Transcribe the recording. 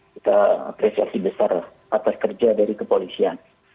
kita apresiasi besar atas kerja dari kepolisian